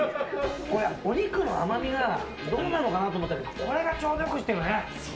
お肉の甘みが毒なのかなって思ったけどこれが、ちょうどよくしてるね。